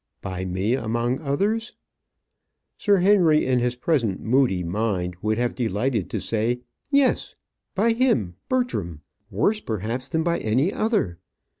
"By me, among others?" Sir Henry, in his present moody mind, would have delighted to say, "Yes," by him, Bertram, worse, perhaps, than by any other.